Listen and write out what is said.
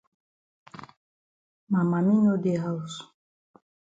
Ma mami no dey haus.